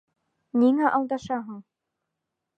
Ниңә алдашаһың?